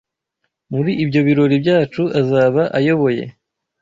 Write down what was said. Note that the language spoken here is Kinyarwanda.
muri ibyo birori byacu azaba ayoboye